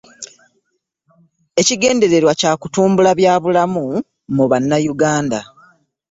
Ekigendererwa Kya kutumbula bya bulamu mu Bannayuganda.